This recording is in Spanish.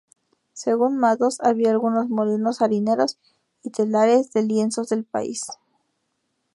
Según Madoz, había algunos molinos harineros y telares de lienzos del país.